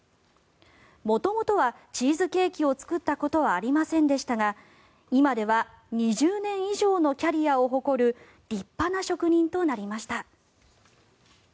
元々はチーズケーキを作ったことはありませんでしたが今では２０年以上のキャリアを誇る立派な職人となりました。